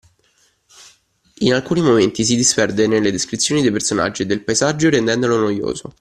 In alcuni momenti si disperde nelle descrizioni dei personaggi e del paesaggio rendendolo noioso.